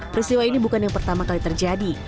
peristiwa ini bukan yang pertama kali terjadi